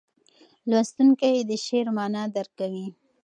لوستونکی د شعر معنا درک کوي.